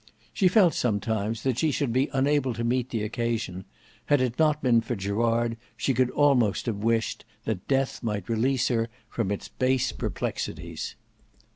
She felt sometimes that she should be unable to meet the occasion: had it not been for Gerard she could almost have wished that death might release her from its base perplexities.